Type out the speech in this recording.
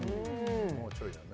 もうちょいだね